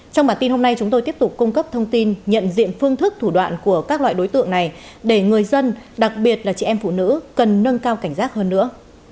trong bản tin hôm nay chúng tôi tiếp tục cung cấp thông tin nhận diện phương thức thủ đoạn của các loại đối tượng này để người dân đặc biệt là chị em phụ nữ cần nâng cao cảnh giác hơn nữa